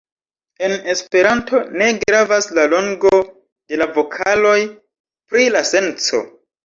En Esperanto ne gravas la longo de la vokaloj pri la senco.